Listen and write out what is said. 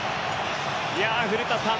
古田さん